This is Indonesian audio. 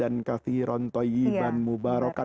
nabi itu mengatakan